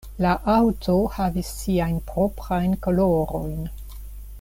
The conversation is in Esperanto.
La aŭto havis siajn proprajn kolorojn.